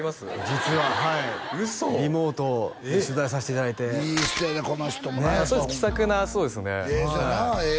実ははい嘘リモートで取材させていただいていい人やでこの人もね気さくなそうですよねええ人やなええ